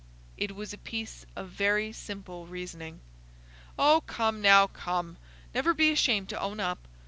"It was a piece of very simple reasoning." "Oh, come, now, come! Never be ashamed to own up.